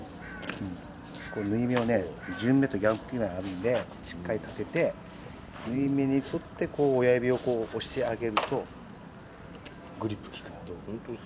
これ、縫い目をね、順目と逆目があるんで、しっかり立てて、縫い目に沿って、こう親指を押してあげると、グリップ効く。